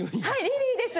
リリーです。